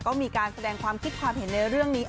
ก็มีการแสดงความคิดความเห็นในเรื่องนี้